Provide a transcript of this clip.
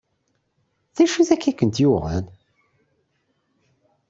D acu akka i kent-yuɣen?